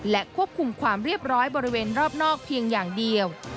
และควบคุมความเรียบร้อยบริเวณรอบนอกเพียงอย่างเดียว